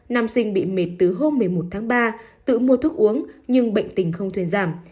nam sinh bị mệt từ hôm một mươi một tháng ba tự mua thuốc uống nhưng bệnh tình không thuyền giảm